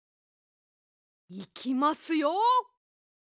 いきますよ。